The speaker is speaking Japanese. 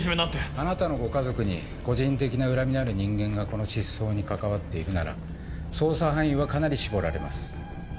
あなたのご家族に個人的な恨みのある人間がこの失踪に関わっているなら捜査範囲はかなり絞られます。